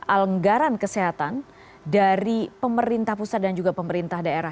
anggaran kesehatan dari pemerintah pusat dan juga pemerintah daerah